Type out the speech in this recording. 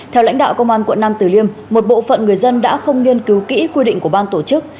theo lãnh đạo công an quận nam tử liêm một bộ phận người dân đã không nghiên cứu kỹ quy định của ban tổ chức